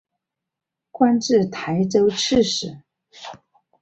官至台州刺史。